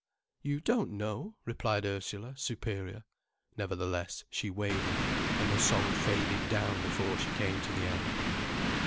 "You don't know," replied Ursula, superior. Nevertheless, she wavered. And her song faded down before she came to the end.